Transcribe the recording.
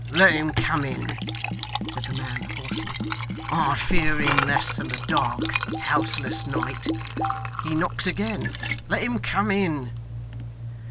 'Let him come in,' said the man, hoarsely. 'I fear him less than the dark, houseless night. He knocks again. Let him come in!